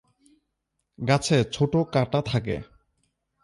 গাছে ছোট কাঁটা থাকে।